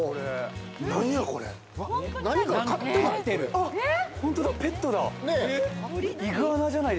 何か飼ってない？